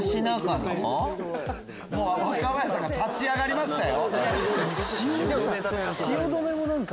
若林さんが立ち上がりましたよ。